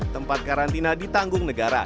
tempat karantina ditanggung negara